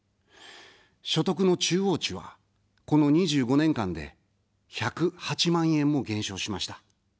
所得の中央値は、この２５年間で１０８万円も減少しました。